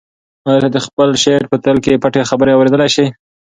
آیا ته د خپل شعور په تل کې پټې خبرې اورېدلی شې؟